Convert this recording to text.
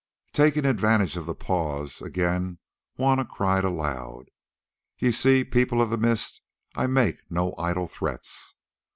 Taking advantage of the pause, again Juanna cried aloud: "Ye see, People of the Mist, I make no idle threats.